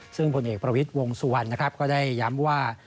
ซึ่งบนเอกประวิศโวงสุวรรณก็ได้ย้ำว่า